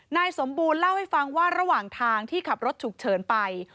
นายสมบูรณ์เล่าให้ฟังว่าระหว่างทางที่ขับรถฉุกเฉินไป